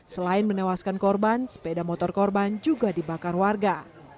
selain menewaskan korban sepeda motor korban juga dibakar warga